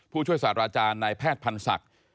ผู้ช่วยสารราชาในแพทย์พันธุ์ศักดิ์